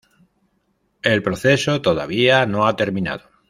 El proceso todavía no ha terminado.